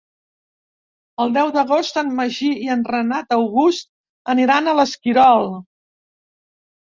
El deu d'agost en Magí i en Renat August aniran a l'Esquirol.